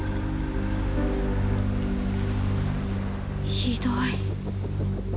ひどい。